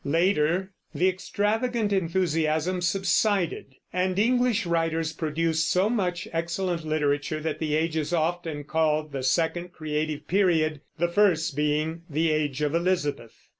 Later the extravagant enthusiasm subsided, and English writers produced so much excellent literature that the age is often called the Second Creative period, the first being the Age of Elizabeth.